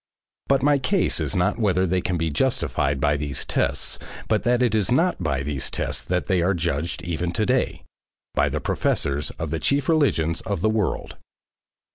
But my case is not whether they can be justified by these tests but that it is not by these tests that they are judged even to day, by the professors of the chief religions of the world.